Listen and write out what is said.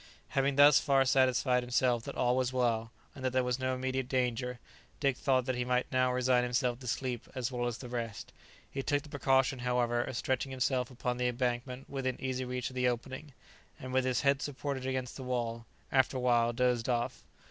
Having thus far satisfied himself that all was well, and that there was no immediate danger, Dick thought that he might now resign himself to sleep as well as the rest: he took the precaution, however, of stretching himself upon the embankment within easy reach of the opening, and with his head supported against the wall, after a while dozed off.